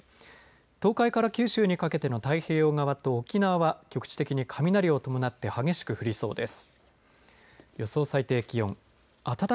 東海から九州にかけての太平洋側と沖縄は局地的に雷を伴って激しく降りそうです。